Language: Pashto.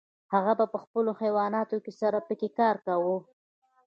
هغه به په خپلو حیواناتو سره پکې کار کاوه.